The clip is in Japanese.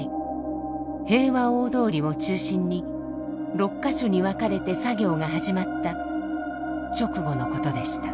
平和大通りを中心に６か所に分かれて作業が始まった直後のことでした。